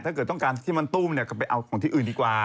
ถ้าเกิดต้องการที่มันตู้มก็ไปเอาของที่อื่นดีกว่า